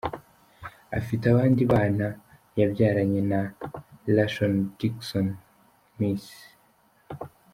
Afite abandi bana yabyaranye na Lashon Dixon, Ms.